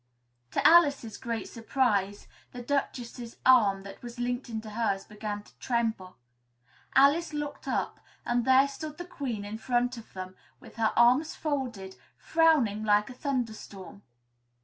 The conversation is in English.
'" To Alice's great surprise, the Duchess's arm that was linked into hers began to tremble. Alice looked up and there stood the Queen in front of them, with her arms folded, frowning like a thunderstorm!